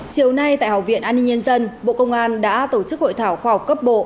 chiều nay tại học viện an ninh nhân dân bộ công an đã tổ chức hội thảo khoa học cấp bộ